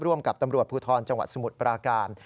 ร่วมกับตำรวจภูทรจังหวัดสมุทรปราการ